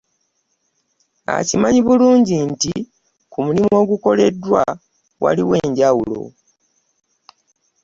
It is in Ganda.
Akimanyi bulungi nti ku mulimu ogukoleddwa waliwo enjawulo